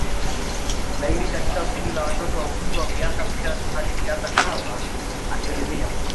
zaidi Katika kundi la watoto wa umri wa miaka mitatu hadi miaka saba asilimia